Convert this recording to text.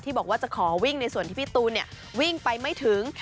บอกว่าจะขอวิ่งในส่วนที่พี่ตูนวิ่งไปไม่ถึง